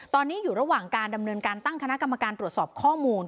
ตอนนี้อยู่ระหว่างการดำเนินการตั้งคณะกรรมการตรวจสอบข้อมูล